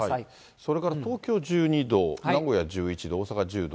それから東京１２度、名古屋１１度、大阪１０度。